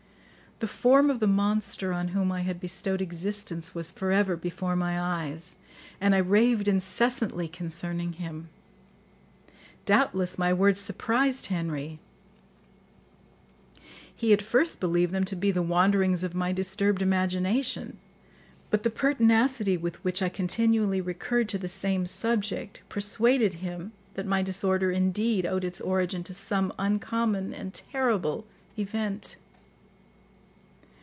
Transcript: The form of the monster on whom I had bestowed existence was for ever before my eyes, and I raved incessantly concerning him. Doubtless my words surprised Henry; he at first believed them to be the wanderings of my disturbed imagination, but the pertinacity with which I continually recurred to the same subject persuaded him that my disorder indeed owed its origin to some uncommon and terrible event.